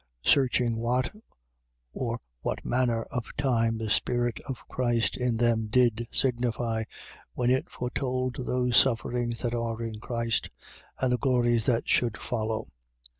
1:11. Searching what or what manner of time the Spirit of Christ in them did signify, when it foretold those sufferings that are in Christ and the glories that should follow.